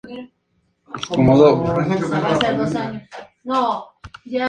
Pellegrini, entre otras obras de relevancia.